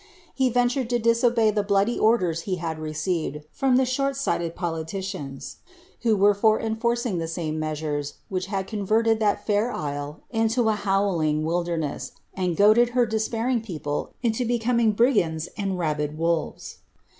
}Ie ventured to dieubey (he bloody order* he hid received ihe short sigbied pnliiiciana, who were for enraccinc tin same m which had converted thai fair isle into a howling «ruda> □ess, nn d her despairing people into becoming brigands and ntad wolvea.